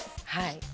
はい。